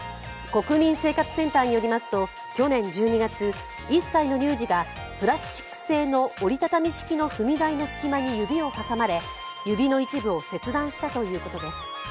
国民生活センターによりますと去年１２月、１歳の乳児がプラスチック製の折り畳み式の踏み台の隙間に指を挟まれ、指の一部を切断したということです。